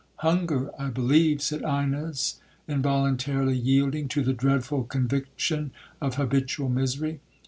'Hunger I believe,' said Ines, involuntarily yielding to the dreadful conviction of habitual misery.